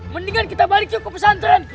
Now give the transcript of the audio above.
mendingan kita balik ke pesantren